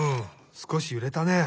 すこしゆれたね。